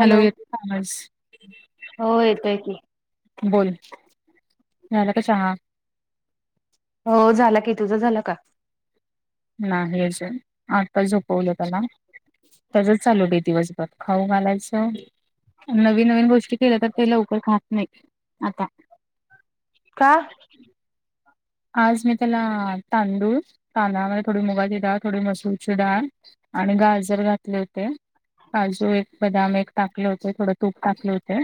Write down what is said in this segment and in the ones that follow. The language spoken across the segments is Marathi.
हॅलो येतोय का आवाज? हो येतोय की बोल, झाला का चहा? हो झाला की, तुझं झाला का? नाही अजून आता झोपवलं त्याला त्यजच चालू बई दिवसभर खाऊ घालायचं नवी नवीन गोष्टी केल्या तर ते लवकर खात नई आता का? आज मी त्याला तांदूळ, तांदळामध्ये थोडी मुगाची डाळ, थोडी मसूरची डाळ आणि गाजर घातले होते, काजू एक बदाम एक टाकले होते, थोडं तूप टाकले होते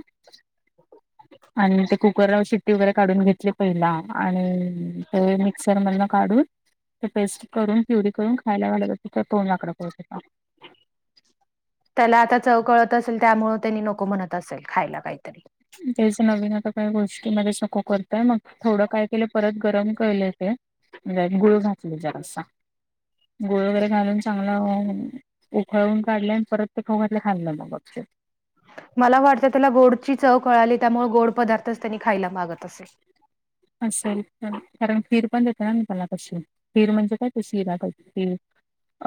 आणि ते कुक कराव शिट्टी वगैरे काढून घेतली पहिला आणि ते मिक्सर मधन काढून ते पेस्ट करून, प्युरी करून, खायला घालत होते तर तोंडाकड बघत होता. त्याला आता चव कळत असेल, त्यामुळं तेनी नको म्हणत असेल खायला कायतरी तेच नवीन आता काही गोष्टीमध्ये सको करतय ना, थोडं काय केलं परत गरम केले ते [unintelligible] गुळ घातले जरासा, गुळ वगैरे घालून चांगलं होऊ उखळून काढले आणि परत ते खाऊ घातलं खाल्ले मग गपचूप मला वाटतं त्याला गोडची चव कळाली त्यामुळे गोड पदार्थच त्यांनी खायला मागत असेल. असेल पण कारण खीर पण देते ना मी त्याला तशी, खीर म्हणजे काय ते शिरा त्याईप खीर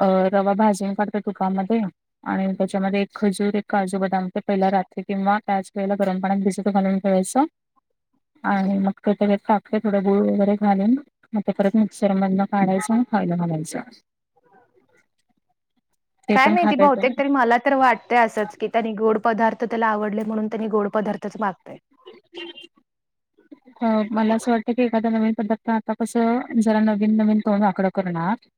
अ रवा भाजून काढते तुपामध्ये आणि त्याच्यामध्ये एक खजूर, एक काजू, बदाम ते पहिला रात्री किंवा त्याच वेळेला गरम पाण्यात भिजत घालून ठेवायचा आणि मग ते तेज्यात [unintelligible] थोड गुळ वगैरे घालून मग ते परत मिक्सर मधन काढायच आणि खायला घालायचं. [unintelligible] ते काय पण माहिती खाता येतं बहुतेक तरी मला तर वाटतय असंच की त्यानी गोड पदार्थ त्याला आवडले म्हणून त्यानी गोड पदार्थच मागतय ह मला असं वाटतं की एखादा नवीन पद्धार्थ आता कसं जरा नवीन नवीन तोंड आकड करणार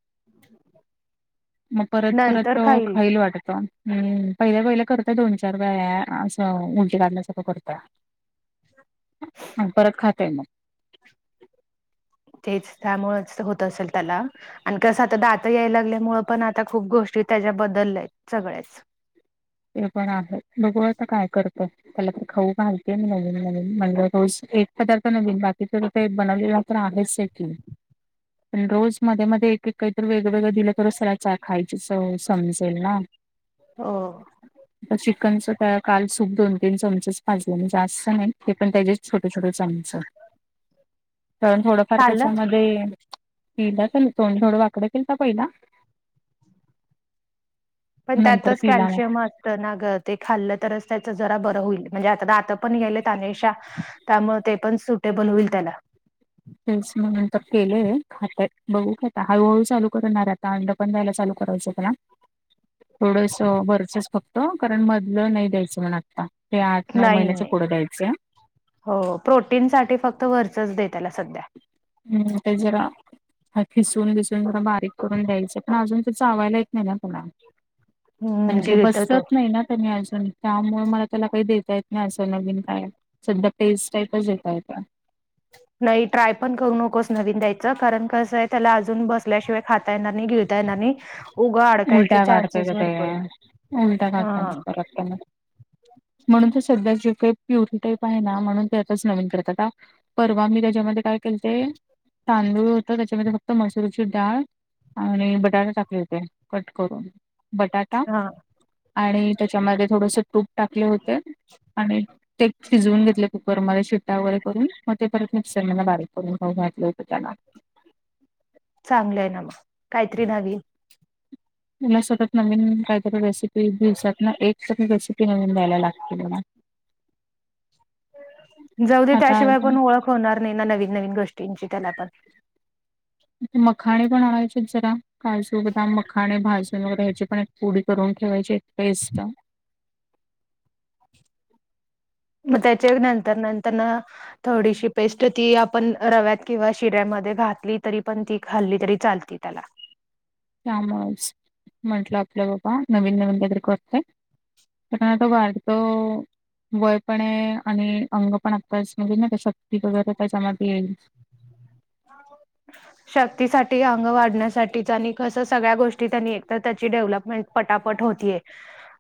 मग परत परत अ खाईल वाटत हम्म पहिला पहिले करतय दोन चार वेळा असं उलटी काढल्यासारखं करत्या आणि परत खा तय मग तेच त्यामुळच होत असल त्याला आणि कसं आता दात याय लागल्यामुळ पण आता खूप गोष्टी त्याच्या बदलल्यात सगळ्याच ते पण आहे बघू आता काय करतय त्याला खाऊ घालते मी नवीन नवीन म्हण [unintelligible] रोज एक पदार्थ नवीन बाकीच ते बनवलेलं तर आहेचे की पण रोज मध्ये मध्ये एक एक काहीतर वेगवेगळं दिलं तर त्याला चा खायची सवय समजेल ना हो. चिकनच त्या काल सूप दोन तीन चमचेच पाजले आणि जास्त नाही ते पण त्याचे छोटे छोटे चमच. [inaudible] कारण थोडंफार खाल्लं कच्यामध्ये. पला त्यां तोड थोडं वाकड केलता पहिला. पण नंतर त्यातच पिला मग. कॅल्शियम असत. नाग ते खाल्लं तरच त्याच जरा बरं होईल म्हणजे आता आता पण गले तनेशा त्यामुळे ते पण सुटेबल होईल त्याला. तेच म्हणून तर केलेय खातय बघू खात हळूहळू चालू करणार. कांड पण दयला चालू करायचकला. [inaudible] [unintelligible] थोडस वरचच फक्त कारण मधलं नाही द्यायचं म्हण. ते आठ नऊ नाही महिन्याच नाही पुढं द्यायचें. हो प्रोटीन साठी फक्त वरचच द त्याला सध्या. हम्म तेजरा हा खिसून घिसून रं बारीक करून द्यायचं पण अजून त चावायला येत नाही ना तला. हम्म म्हणजे गिळत तो बसत नाही ना. असून त्यामुळे मला त्याला काही देता येत नाही असं नवीन काय. सध्या पेस्ट टाईपच येतय का. नाही ट्राय पण करू नकोस नवीन द्यायचं कारण कसं आहे त्याला अजून बसल्याशिवाय खाता आहेना नाही गिळता आहेनानी उलटा काढते का ते उलटा काढता मग हा परत मग. म्हणून ते सध्या जे काही प्युरीी टाईप आहे ना म्हणून ते आताच नवीन करतात. परवा मी त्याच्यामध्ये काय केलते तांदूळ होत त्याच्यामध्ये फक्त मसूरची डाळ आणि बटाटा टाकले होते. कट करून बटाटा हा आणि त्याच्यामध्ये थोडस तूप टाकले होते. आणि ते शिजवून घेतले कुकरमध्ये शिट्टा वगैरे करून मग ते परत मिक्सर म बारीक करून घाऊ घातले होते त्याना. चांगलं आहे ना मग काहीतरी नवी. मला सतत नवीन काहीतरी रेसिपी दिवसात ना एक तररी रेसिपी नवीन द्यायला लागते मला. जाऊ दे आता त्याशिवाय पण ओळख होणार नाही ना नवीन नवीन गोष्टींची त्याला पण. मखाणे पण आणायचे जरा काजू बदाम मखाणे भाजून वगैरे ह्याचे पण पुडी करून ठेवायची एक पेस्ट. मग त्याच्या नंतर नंतर ना. थोडीशी पेस्ट ती आपण रव्यात किंवा शिऱ्यामध्ये घातली तरी पण ती खाल्ली तरी चालते. ि [inaudible] तला. त्यामस म्हंटलं आपलं बाबा नवीन नवीन त्यात्र करत आहे. त बाहेर तो. वय पण आहे आणि अंग पण आत्ताच म्हणजे ना शक्ती वगैरे त्याच्यामध्ये येईल.. ह शक्तीसाठी अंग वाढण्यासाठीच आणि कस सगळ्या गोष्टी त्यांनी एकतर त्याची डेव्हलपमेंट पटापट होतीये.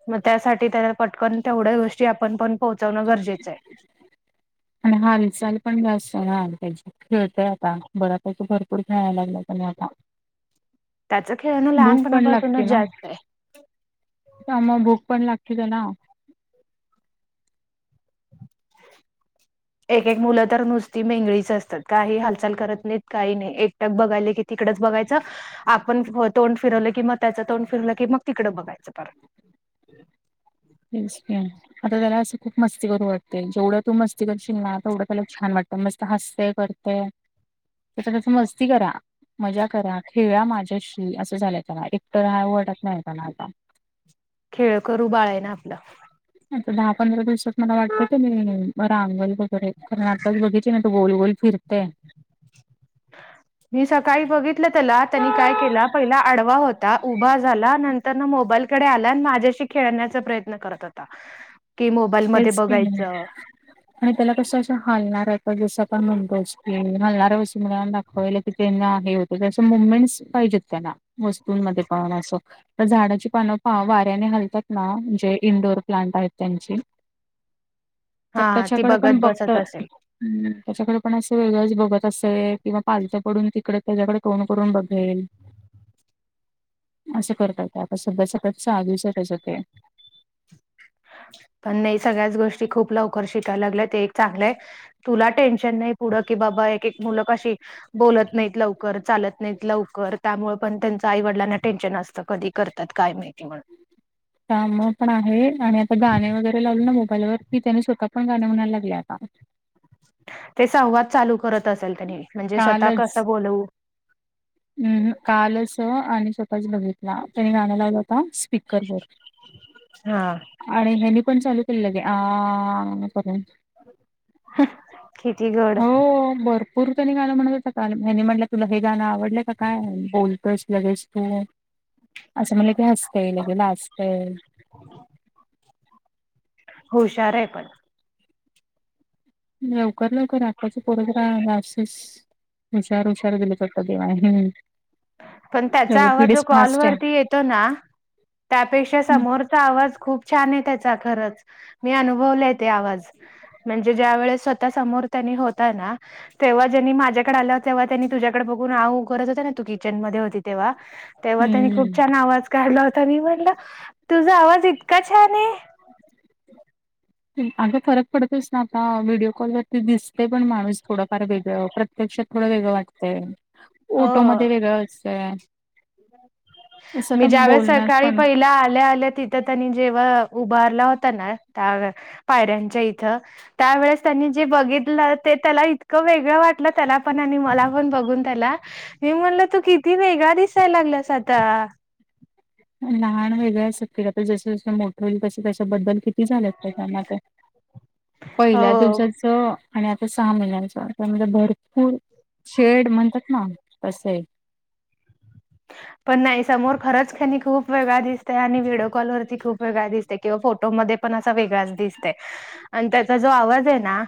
मग त्यासाठी त्याला पटकन तेवढ्या गोष्टी आपण पण पोहोचवणं गरजेचं आहे. आणि हालचाल पण जास्त हाची. खेळतय आता बऱ्यापैकी भरपूर खेळायला लागला त्या आता. त्याच खेळ ना भूक पण लागते लहानपणापासूनच ना जास्त आहे. भूक पण लागते त्याला. एक एक मुलं तर नुसती मेंगळीच असतात काही हालचाल करत नाहीत काही नाही एकटक बघायले की, तिकडच बघायचं आपण तोंड फिरवलं की मग त्याचं तोंड फिरवलं की मग तिकडं बघायचं परत. तच. आता त्याला असं खूप मस्ती करू वाटते जेवढं तू मस्ती कर शिकला तेवढं त्याला छान वाटतं मस्त हसते कर त्या त्याच मस्ती करा मज्या करा खेळा माझ्याशी असं झालंय त्याला एकटर हा वाटत नाही त्याला आता खेळ करू बाळा आहे ना आपलं आता दहा पंधरा दिवसात मला वाटते क मी रांगल वगैरे करण आताच बघितचे ना तर गोल गोल. फिरते [unintelligible] मी सकाळी बघितलं त्याला त्यांनी काय केला पहिला आडवा होता उभा झाला नंतर तरन मग माझ्याकडं आला आणि माझ्याशी खेळण्याचा प्रयत्न करत होता की बाईलमध्ये तेच की बघायचं आणि त्याला कसं असं हलणार आहेत जसं आपण मुडोस्तील हलणाऱ्या व मुात कलं की त्यांना हे होतं क असं मुवमेंट्स पाहिजेत हो त्यांना वस्तूंमध्ये प असं तर झाडाची पानपा वाऱ्याने हालतात ना जे इंडोअर प्लांट आहेत त्यांची तर हा ती त्याच्याकडे पण बघत बसत असेल. हम् त्याच्याकडे पण असं वेगळंच बघत असे किंवा पालतं पडून तिकडे त्याच्याकडे तोंड करून बघेल [unintelligible] असं करताय का आता सध्या सगळ्यात चाधीस त्याचते पण नाही सगळ्याच गोष्टी खूप लवकर शिकायला लागल्या ते एक चांगलं आहे तुला टेन्शन नाही पुढं की बाबा एक एक मुलं कशी बोलत नाही लवकर चालत नाही लवकर त्यामुळे पण त्यांचं आईवडिलांना टेन्शन असतं कधी करत त्यात काय माहिती म्हण काम पण आहे आणि आता गाणे वगैरे लावले ना मोबाईलवर की त्याने स्वतः पण गाण म्हणायला लागलं आता ते संवाद चालू करत असेल त्यांनी म्हणजे स्वतः कस बोलवू हम् कालच आम्ही स्वतःच बघितला त्याने गाण लावला होता स्पीकरवर हा आणि ह्यानी पण चालू केलं गे आ करून किती गड हो बर पूरतनी गाण म्हणत हनी म्हटलं तुला हे गाणं आवडलं काय बोलतोस लगेच तू असं म्हटलं की हसते लगे लागतंय [unintelligible] हुशार आहे पण लवकर लवकर आताचे पोरं जरा हुशार हुशार दिले तर देवाण हम पण त्याचा आवाज जो आहे कॉलवररती येतो ना त्यापेक्षा हम्म समोरचा आवाज खूप छान आहे त्याचा खरंच मी अनुभवले तेे आवाज म्हणजे ज्या वेळेस स्वतः समोर त्यांनी होता ना तेव्हा ज्यांनी माझ्याकडे आलं हो तेव्हा त्यांनी तुझ्याकडे बघून आ करत होता ना तु किचन मध्ये होती तेव्हा तेव्हा त्यांनी खूप हम्म. छान आवाज काढला होता मी म्हणलं तुझा आवाज इतका छान आहे अगं फरक पडतोच ना आता व्हिडिओ कॉलवररती दिसते पण माणूस थोडाफार वेगळं प्रत पेक्ष थोडं वेगळं वाटतंय ओटो हो मध्ये वेगळं असतंय असं मी आता ज्यावेळेस बोलण्यात सकाळी पण पहिल्या आल्या आल्या ति थ त्यांनी जेव्हा उभारला होता ना त्या पायऱ्यांच्या इथं त्यावेेळेस त्यांनी जे बघितलं ते त्याला इतकं वेगळं वाटलं त्याला पण आणि मला पण बघून त्याला. मी म्हणल तू किती वेगळा दिसायला लागलास आता. लहान वेगळ्या असत आता जस जसं मोठ होईल तस त्याच्याबद्दल किती झाल्या ना हो पहिल्या दिवसाच आणि आता सहा महिन्यांच त्यामध्ये भरपूर शेड म्हणतात ना तसं आहे पण नाही समोर खरंच खनी खूप वेगळा दिसतय आणि व्हिडिओ कॉलवररती खूप वेगळा दिसते किंवा फोटोमध्येध्ये पण असा वेगळाच दिसते आणि त्याचा जो आवाज आहे ना.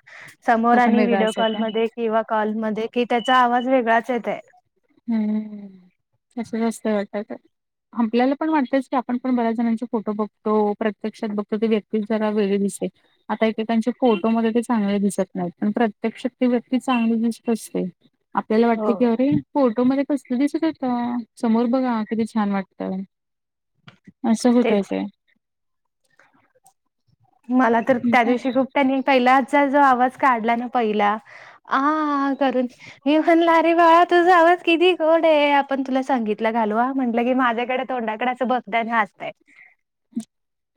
समोर तो पण आणि व्हिडिओ वेगळाच होता कॉलमध्ये किंवा कॉलमध्ये कि त्याचा आवाज वेगळाच येते. हम्म अससंस्त वाटत. आपल्याला पण वाटतय की आपण पण बऱ्याच जणांचे फोटो बघतो प्रत्यक्षात बघतो ते व्यक्ती जरा वेळ दिसे. आता एके त्यांचे फोटोमध्ये ते चांगले दिसत नाहीत. पण प्रत्यक्षात ती व्यक्ती चांगली दिसत असते. आपल्याला वाटत हो की अरे फोटो मध्ये कसलं दिसत होत समोर बघा किती छान वाटतं. असं तेच होतायचं आहे. मला तर त्या दिवशी खूप त्यांनी पहिलाचा जो आवाज काढला ना पहिला. हा हा करून. मी म्हणला रे बाळा तुझा आवाज किती गोड आहे आपण तुला सांगितलं घालू म्हटलं की माझ्याकडे तोंडाकडे असं बघतय आणि हसतोय.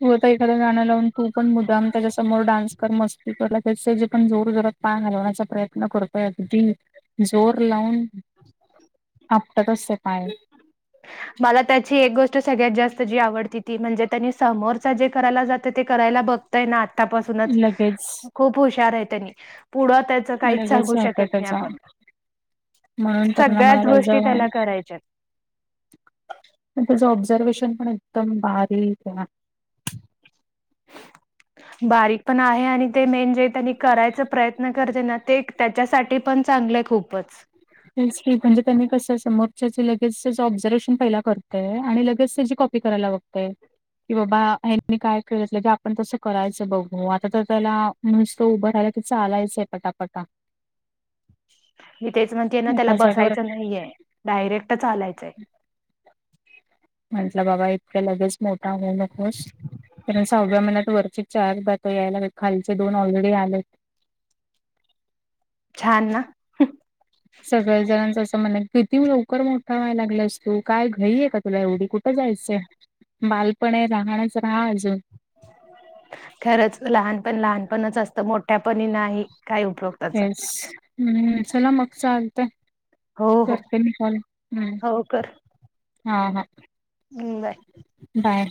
तू आता एखाद्या गाण्या लावून तू पण मुद्दाम त्याच्या समोर डान्स कर मस्ती करला त्याचे जे पण जोर जरात मान हलवण्याचा प्रयत्न करतोय अगदी जोर लावून. [unintelligible] आपाटत असते पाय. मला त्याची एक गोष्ट सगळ्यात जास्त जी आवडती ती म्हणजे त्यांनी समोरचा जे करायला जातं ते करायला बघ. आतापासूनच लगेच खूप हुशार आहे त्यांनी पुढ काही लगेच सांगू शकत होतं नाही त्याचा आपण. म्हणून त्यांना मला सगळ्याच गोष्टी त्याचं त्याला करायच्या. त्याचं ऑब्झर्वेशन पण एकदम बारीक आहे. बारीक पण आहे आणि ते मेनजे त्यांनी करायचा प्रयत्न करते ना ते. त्याच्यासाठी पण चांगलंय खूपच. तेी म्हणजे त्यांनी कसं समोरच्याचे लगेच त्याच ऑब्झर्वेशन पहिला करतय आणि लगेच त्याची कॉपी कराय लागत. की बाबा हनी काय कळलं की आपण तसं करायचं बघू आता तर त्याला म्हण तो उभं राहिला की चालायच आहे पटापटा. मी तेच म्हणते ना त्याला एका जागेवर बसायचं नाहीये डायरेक्ट चालायचंय. [unintelligible] म्हंटलं बाबा इतक्या लगेच मोठा होऊ नकोस कारण सहाव्या महिन्यात वरती चार दात यायला खालचे दोन ऑलरेडी आलेत. छानना! सगळं जणांच असं म्हण किती लवकर मोठा व्हाय लागला असतो काय घईे का तुला एवढी कुठ? जायचं बालपण आहे राहणच राहा अजून. खरंच लहानपण लहानपणच असतं मोठ्यापणी नाही. काय उपयोग त्याचा येस हम् चला मग चालतंय. हो हो करतल हम. हो कर हा हा हं, बाय बाय.